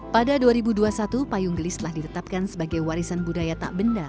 pada dua ribu dua puluh satu payung gelis telah ditetapkan sebagai warisan budaya tak benda